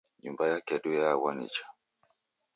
Nyumba yakedu yeaghwa nicha